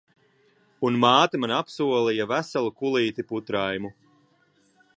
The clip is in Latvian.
Un māte man apsolīja veselu kulīti putraimu.